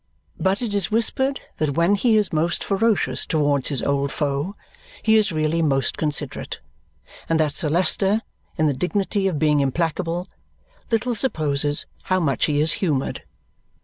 But it is whispered that when he is most ferocious towards his old foe, he is really most considerate, and that Sir Leicester, in the dignity of being implacable, little supposes how much he is humoured.